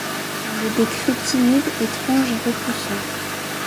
On le décrit timide, étrange et repoussant.